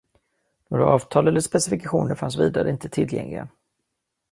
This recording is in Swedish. Några avtal eller specifikationer fanns vidare inte tillgängliga.